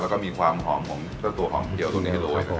แล้วก็จะมีความหอมองค์เทียวในรถ